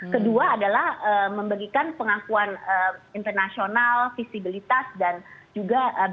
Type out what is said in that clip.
kedua adalah memberikan pengakuan internasional visibilitas dan juga bagaimana